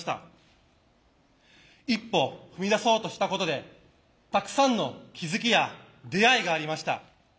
一歩踏み出そうとしたことでたくさんの気付きや出会いがありました。